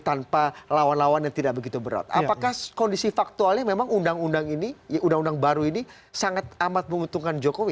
tanpa lawan lawan yang tidak begitu berat apakah kondisi faktualnya memang undang undang ini ya undang undang baru ini sangat amat menguntungkan jokowi